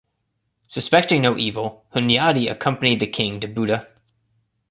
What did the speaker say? Suspecting no evil, Hunyadi accompanied the king to Buda.